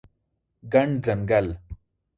ګڼ ځنګل